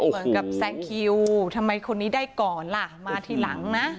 เหมือนกับแซงคิวทำไมคนนี้ได้ก่อนล่ะมาทีหลังนะ